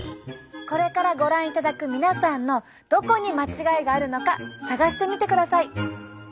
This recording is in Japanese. これからご覧いただく皆さんのどこに間違いがあるのか探してみてください。